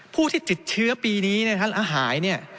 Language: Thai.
ผู้ที่จิดเชื้อปีนี้ท่านอาหายเนี่ย